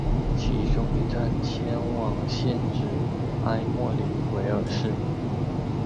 其终点站迁往现址埃默里维尔市。